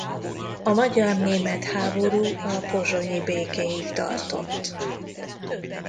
A magyar-német háború a pozsonyi békéig tartott.